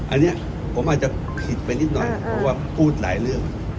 อันนี้ผมอาจจะผิดไปนิดหน่อยเพราะว่าพูดหลายเรื่อง